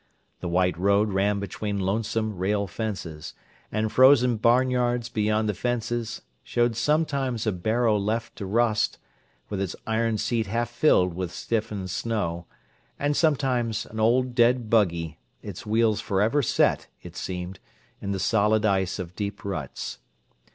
The white road ran between lonesome rail fences; and frozen barnyards beyond the fences showed sometimes a harrow left to rust, with its iron seat half filled with stiffened snow, and sometimes an old dead buggy, its wheels forever set, it seemed, in the solid ice of deep ruts.